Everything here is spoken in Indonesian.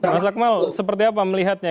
mas akmal seperti apa melihatnya